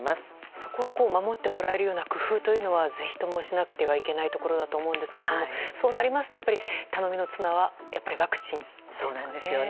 そこは守ってもらえるような工夫というのはぜひともしなくてはいけないところだと思うんですけれどもそうなりますと、頼みの綱はワクチンですよね。